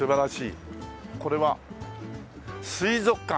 これは水族館。